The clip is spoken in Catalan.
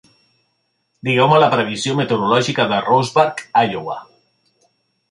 Digueu-me la previsió meteorològica de Roseburg, Iowa.